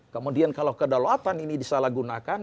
kemudian kalau kedolatan ini disalah gunakan